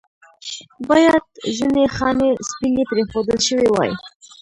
باید ځنې خانې سپینې پرېښودل شوې واې.